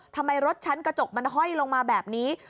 ทำไมรถฉันกระจกมันห้อยลงมาแบบนี้